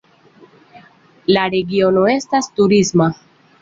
La regiono estas turisma.